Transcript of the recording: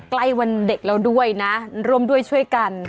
ใกล้วันเด็กแล้วด้วยนะร่วมด้วยช่วยกัน